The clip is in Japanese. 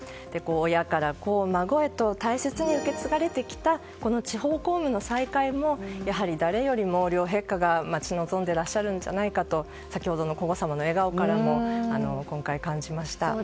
親から子、孫へと大切に受け継がれてきた地方公務の再開もやはり誰よりも両陛下が待ち望んでいらっしゃるんじゃないかと先ほどの皇后さまの笑顔からも今回感じました。